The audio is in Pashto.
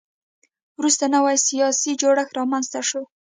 وروسته نوی سیاسي جوړښت رامنځته شو